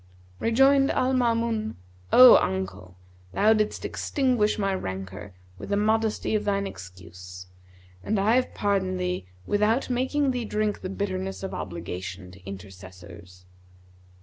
Rejoined Al Maamun, 'O uncle, thou didst extinguish my rancour with the modesty of thine excuse, and I have pardoned thee without making thee drink the bitterness of obligation to intercessors.'